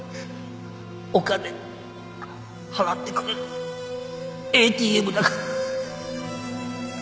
お金払ってくれるＡＴＭだから。